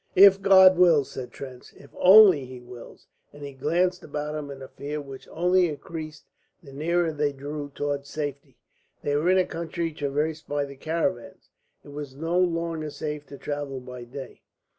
"If God wills," said Trench. "If only He wills," and he glanced about him in a fear which only increased the nearer they drew towards safety. They were in a country traversed by the caravans; it was no longer safe to travel by day.